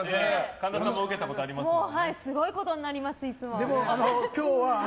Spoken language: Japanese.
神田さんも受けたことありますもんね。